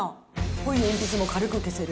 こい鉛筆も軽く消せる！